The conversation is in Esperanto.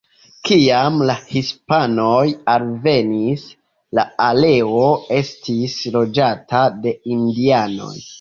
Kiam la hispanoj alvenis, la areo estis loĝata de indianoj.